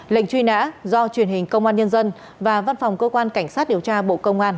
lệnh truy nã do truyền hình công an nhân dân và văn phòng cơ quan cảnh sát điều tra bộ công an